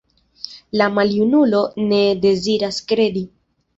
La maljunulo ne deziras kredi.